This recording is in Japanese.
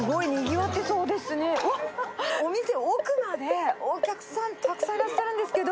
わっ、お店、奥まで、お客さんたくさんいらっしゃるんですけど。